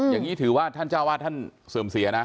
อย่างนี้ถือว่าท่านเจ้าวาดท่านเสื่อมเสียนะ